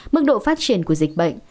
mức độ phát triển của dịch bệnh